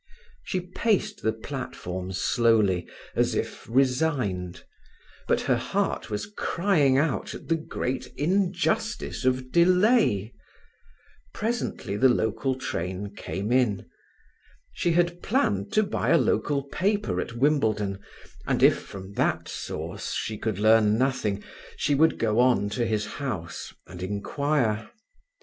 She paced the platform slowly, as if resigned, but her heart was crying out at the great injustice of delay. Presently the local train came in. She had planned to buy a local paper at Wimbledon, and if from that source she could learn nothing, she would go on to his house and inquire.